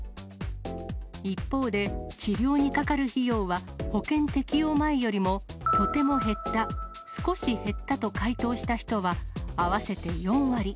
一方で治療にかかる費用は、保険適用前よりも、とても減った、少し減ったと回答した人は合わせて４割。